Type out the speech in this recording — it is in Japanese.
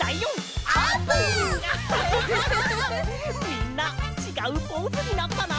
みんなちがうポーズになったな！